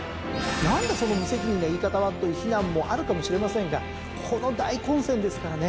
「何だその無責任な言い方は」という非難もあるかもしれませんがこの大混戦ですからね。